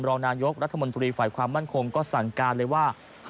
รองนายกรัฐมนตรีฝ่ายความมั่นคงก็สั่งการเลยว่า